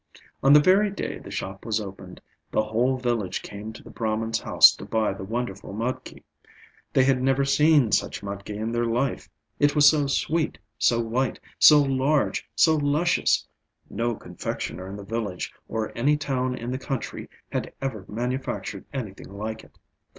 On the very day the shop was opened, the whole village came to the Brahman's house to buy the wonderful mudki. They had never seen such mudki in their life, it was so sweet, so white, so large, so luscious; no confectioner in the village or any town in the country had ever manufactured anything like it.